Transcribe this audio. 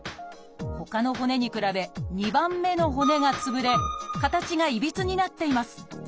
ほかの骨に比べ２番目の骨がつぶれ形がいびつになっています。